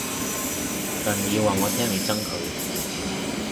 但你要話我聽你憎佢